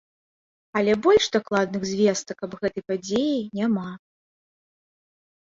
Але больш дакладных звестак аб гэтай падзеі няма.